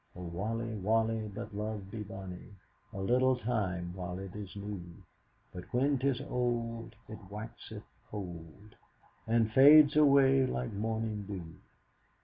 O waly! waly! but love be bonny A little time while it is new, But when 'tis auld, it waxeth cauld, And fades awa' like morning dew!"